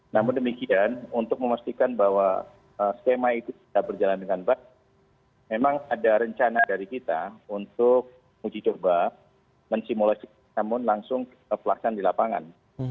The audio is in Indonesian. namun demikian untuk memastikan bahwa skema itu tidak berjalan dengan baik memang ada rencana dari kita untuk uji coba mensimulasi namun langsung pelaksanaan di lapangan